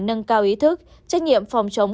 nâng cao ý thức trách nhiệm phòng chống